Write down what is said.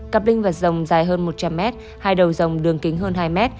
cặp linh vật rồng dài hơn một trăm linh m hai đầu dòng đường kính hơn hai m